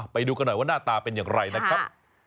ไปดูกันหน่อยว่าหน้าตาเป็นอย่างไรนะครับ